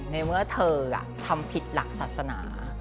ในเมื่อเธอทำผิดหลักศาสนา